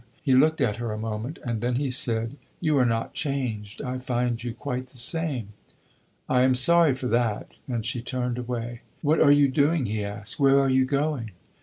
He looked at her a moment, and then he said "You are not changed; I find you quite the same." "I am sorry for that!" And she turned away. "What are you doing?" he asked. "Where are you going?"